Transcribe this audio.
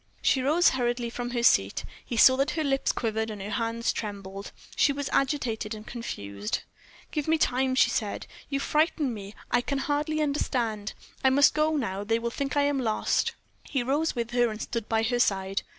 She rose hurriedly from her seat. He saw that her lips quivered and her hands trembled; she was agitated and confused. "Give me time," she said. "You frighten me. I can hardly understand. I must go now; they will think that I am lost." He rose with her, and stood by her side.